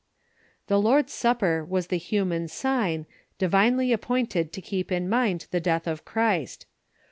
The Lord's Sup per was the human sign, divinely appointed to keep in mind the death of Christ.